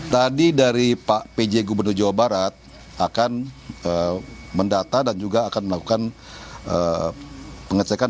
tadi dari pak pj gubernur jawa barat akan mendata dan juga akan melakukan pengecekan